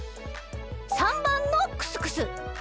３ばんのクスクス。